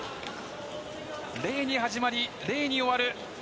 礼に始まり礼に終わる。